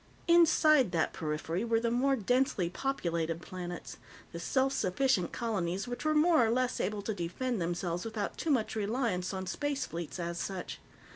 Inside that periphery were the more densely populated planets, the self sufficient colonies which were more or less able to defend themselves without too much reliance on space fleets as such.